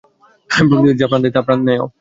প্রকৃতিতে যা প্রাণ নেয়, তা প্রাণ দেয়ও।